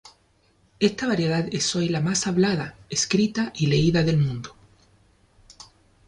Esta variedad es hoy la más hablada, escrita y leída del mundo.